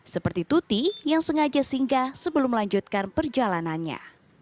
seperti tuti yang sengaja singgah sebelum melanjutkan perjalanannya